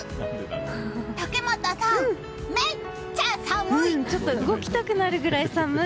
竹俣さん、めっちゃ寒い！